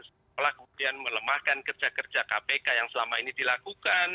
setelah kemudian melemahkan kerja kerja kpk yang selama ini dilakukan